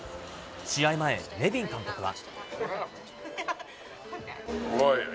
試合前、ネビン監督は。